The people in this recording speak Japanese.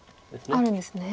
あるんですね。